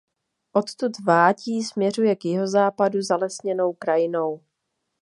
Odtud vádí směřuje k jihozápadu zalesněnou krajinou.